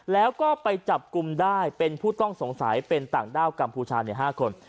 แล้วก็ไปจับกลุ่มได้เป็นผู้ต้องสงสัยเป็นต่างด้าวกัมพูชา๕คน